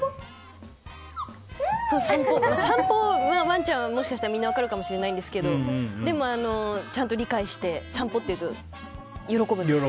散歩はワンちゃんもしかしたらみんな分かるかもしれないんですけどでも、ちゃんと理解して散歩って言うと喜ぶんです。